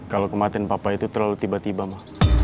kalau kematian papa itu terlalu tiba tiba mah